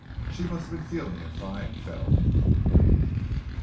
She must have been feeling in fine fettle!"